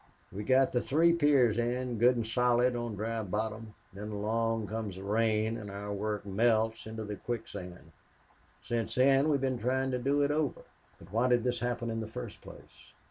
"We got the three piers in good and solid on dry bottom. Then along comes the rain and our work melts into the quicksand. Since then we've been trying to do it over." "But why did this happen in the first place?"